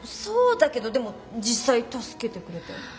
そうだけどでも実際助けてくれたよ？